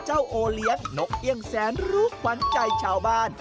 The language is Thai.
โอเลี้ยงนกเอี่ยงแสนรู้ขวัญใจชาวบ้าน